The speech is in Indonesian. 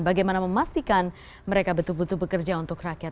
bagaimana memastikan mereka betul betul bekerja untuk rakyat